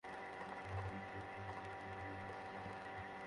কিন্তু আরেক আসামি নাজমা প্রকাশ্যে ঘোরাফেরা করলেও পুলিশ তাঁকে ধরছে না।